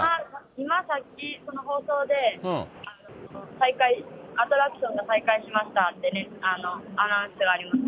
今さっき、その放送で、再開、アトラクションが再開しましたってアナウンスがありました。